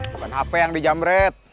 bukan hp yang dijamret